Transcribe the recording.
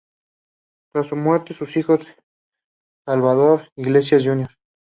Tras su muerte, sus hijos Salvador Iglesias Jr.